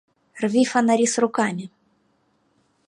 – Рви фонари с руками!